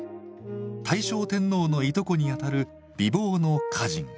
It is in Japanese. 大正天皇のいとこにあたる美貌の歌人。